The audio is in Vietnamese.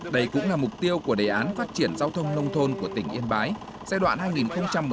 đây cũng là mục tiêu của đề án phát triển giao thông nông thôn của tỉnh yên bái giai đoạn hai nghìn một mươi sáu hai nghìn hai mươi